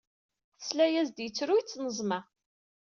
Tesla-yas-d yettru yettneẓma.